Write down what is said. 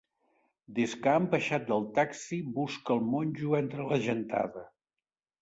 Des que han baixat del taxi busca el monjo entre la gentada.